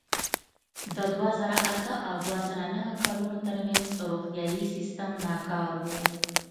د دوه زره اته او دوه زره نهه کلونو ترمنځ روغتیايي سیستم ناکار و.